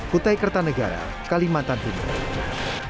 kutai kertanegara kalimantan indonesia